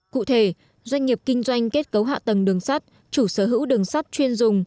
cụ thể doanh nghiệp kinh doanh kết cấu hạ tầng đường sắt chủ sở hữu đường sắt chuyên dùng